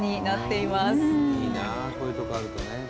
いいなあこういうとこあるとね。